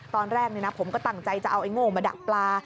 ตอนแรกผมก็ตั้งใจจะเอาไอ้โง่มาดักปลา